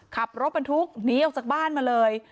ขับรถบรรทุกหนีออกจากบ้านมาเลย